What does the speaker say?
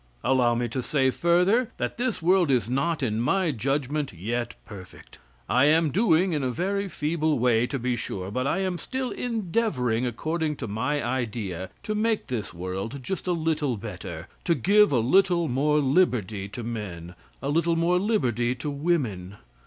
Allow me to say, further, that this world is not, in my judgment, yet perfect. I am doing, in a very feeble way, to be sure, but I am still endeavoring, according to my Idea, to make this world just a little better; to give a little more liberty to men, a little more liberty to women.